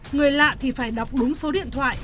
người lạ thì phải đọc đúng số điện thoại